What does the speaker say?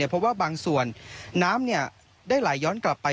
เพราะว่าบางส่วนน้ำได้ไหลย้อนกลับไป